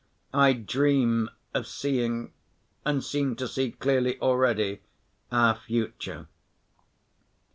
I dream of seeing, and seem to see clearly already, our future.